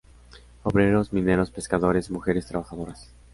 Obreros, mineros, pescadores, mujeres trabajadoras.